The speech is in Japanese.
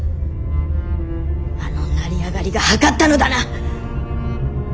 あの成り上がりがはかったのだな！